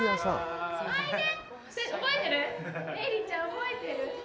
覚えてる？